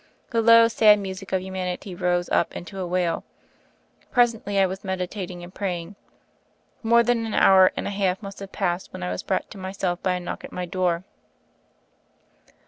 The low sad music of humanity rose up into a wail. Pres ently, I was meditating and praying. More than an hour and a half must have passed, when I was brought to myself by a knock at my door.